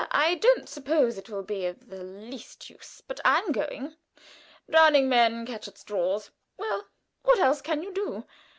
I don't suppose it will be of the least use; but I am going. Drowning men catch at straws. Well, what else can you do?